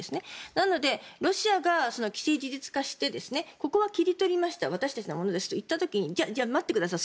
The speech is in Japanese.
なので、ロシアが既成事実化してここは切り取りました私たちのものですといった時にじゃあ、待ってください